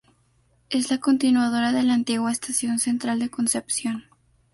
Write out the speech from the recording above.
Es la continuadora de la Antigua Estación Central de Concepción.